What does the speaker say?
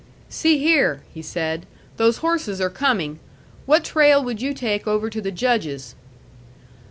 "See here," he said; "those horses are coming. What trail would you take over to the Judge's?"